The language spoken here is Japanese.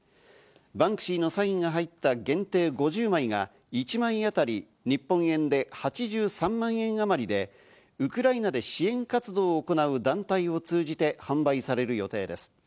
バンクシーのサインが入った限定５０枚が１枚当たり日本円で８３万円あまりで、ウクライナで支援活動を行う団体を通じて販売される予定です。